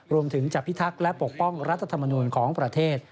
รวมถึงจะพิทักษ์และปกป้องรัฐธรรมนูลของประเทศ